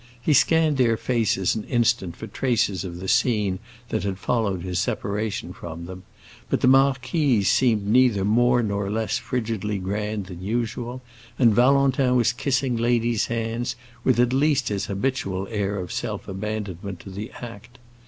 He scanned their faces an instant for traces of the scene that had followed his separation from them, but the marquis seemed neither more nor less frigidly grand than usual, and Valentin was kissing ladies' hands with at least his habitual air of self abandonment to the act.